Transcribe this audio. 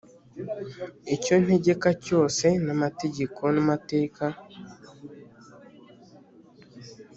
icyo ntegeka cyose n amategeko n amateka